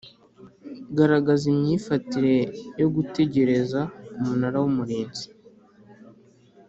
Garagaza imyifatire yo gutegereza umunara w umurinzi